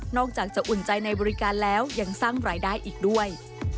อกจากจะอุ่นใจในบริการแล้วยังสร้างรายได้อีกด้วย